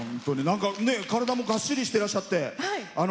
体もがっしりしてらっしゃって。